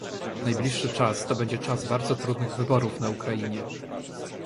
Najbliższy czas to będzie czas bardzo trudnych wyborów na Ukrainie